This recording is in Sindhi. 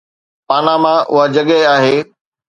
پاناما اها جڳهه آهي.